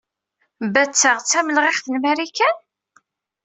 Batta d tamelɣiɣt n Marikan?